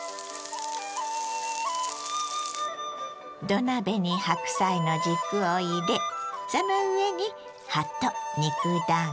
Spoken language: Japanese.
土鍋に白菜の軸を入れその上に葉と肉だんご。